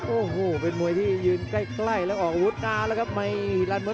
โอ้โหเป็นมวยที่ยืนใกล้แล้วออกอาวุธนานแล้วครับ